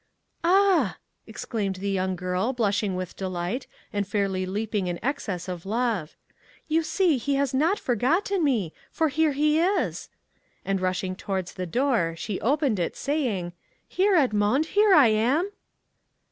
"Ah," exclaimed the young girl, blushing with delight, and fairly leaping in excess of love, "you see he has not forgotten me, for here he is!" And rushing towards the door, she opened it, saying, "Here, Edmond, here I am!"